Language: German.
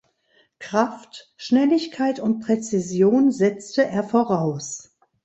Kraft, Schnelligkeit und Präzision setzte er voraus.